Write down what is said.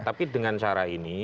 tapi dengan cara ini